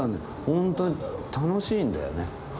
本当に楽しいんだよね。